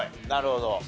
なるほど。